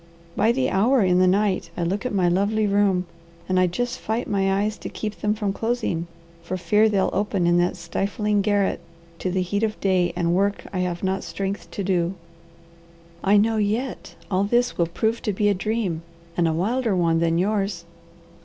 By the hour in the night I look at my lovely room, and I just fight my eyes to keep them from closing for fear they'll open in that stifling garret to the heat of day and work I have not strength to do. I know yet all this will prove to be a dream and a wilder one than yours."